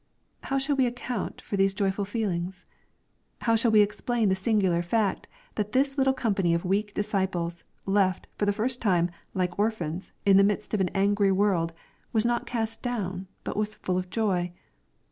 How shall we account for these joyful feelings ? How shall we explain the singular fact, that this little com pany of weak disciples, left, for the first time, like or phans, in the midst of an angry world, was not cast down, but was full of joy